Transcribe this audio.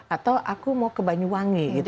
atau aku mau ke banyuwangi gitu